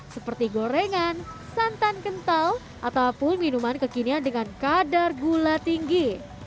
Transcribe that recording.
seperti gorengan santan kental ataupun minuman kekinian dengan kadar gula tinggi